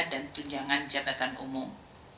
dan tunjangan jabatan umum